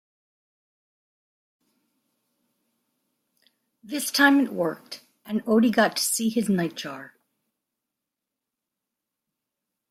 This time it worked, and Oddie got to see his nightjar.